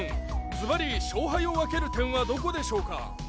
ずばり勝敗を分ける点はどこでしょうか？